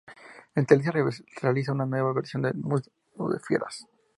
En Televisa realizó una nueva versión de "Mundo de fieras".